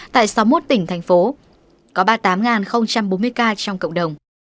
tại sáu mươi một tỉnh thành phố có ba mươi tám bốn mươi ca trong cộng đồng